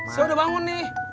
saya udah bangun nih